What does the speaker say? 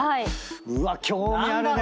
うわっ興味あるね